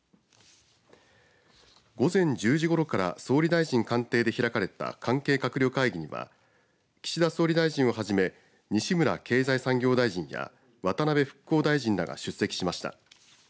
午前１０時ごろから総理大臣官邸で開かれた関係閣僚会議には岸田総理大臣をはじめ西村経済産業大臣や渡辺復興大臣らが出席しました。